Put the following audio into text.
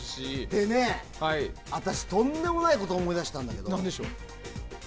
でね、私、とんでもないことを思い出したんだけど。